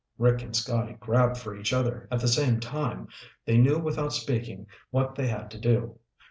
Rick and Scotty grabbed for each other at the same time. They knew without speaking what they had to do.